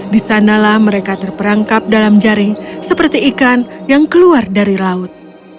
di sanalah mereka terperangkap dalam jaring seperti ikan yang keluar dari laut